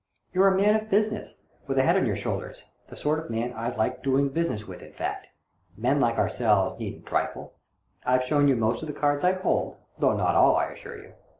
You're a man of business, with a head on your shoulders — the sort of man I like doing business with, in fact. Men like ourselves needn't trifle. I've shown you most of the cards I hold, though not all, I assure you.